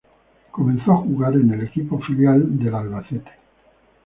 Comenzó a jugar en el equipo filial del Albacete.